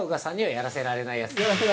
◆やらせられないです。